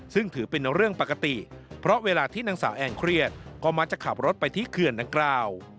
ซึ่งถือเป็นเรื่องปกติเพราะเวลาที่นางสาวแอนเครียดก็มักจะขับรถไปที่เขื่อนดังกล่าว